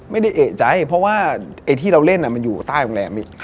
ไม่ได้เอกใจเพราะว่าไอ้ที่เราเล่นมันอยู่ใต้โรงแรมอีก